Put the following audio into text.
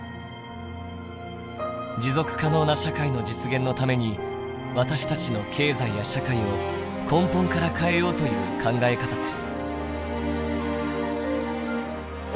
持続可能な社会の実現のために私たちの経済や社会を根本から変えようという考え方です。